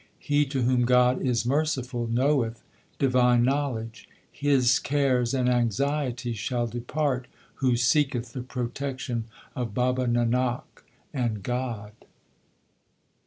He to whom God is merciful Knoweth divine knowledge. His cares and anxieties shall depart Who seeketh the protection of Baba Nanak and God.